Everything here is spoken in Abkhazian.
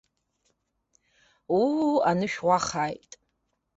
Уу, анышә уахааит.